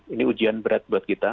ini ujian berat